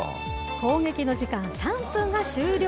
攻撃の時間３分が終了。